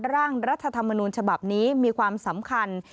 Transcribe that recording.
ร่างรัฐธรรมนูญฉบับนี้มีความสำคัญ